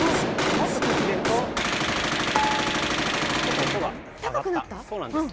もっと空気を入れるとちょっと音が高くなります。